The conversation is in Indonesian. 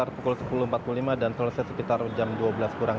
pukul sepuluh empat puluh lima dan selesai sekitar jam dua belas kurang